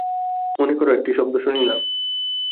মনে কর, একটি শব্দ শুনিলাম।